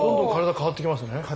変わってきますね。